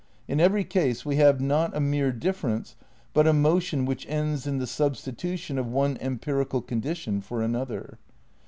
... In every ease we have not a mere difference but a motion which ends in the substitution of one em pirical condition for another.